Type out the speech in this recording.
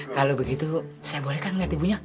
kalau begitu saya boleh kan ngeliat ibunya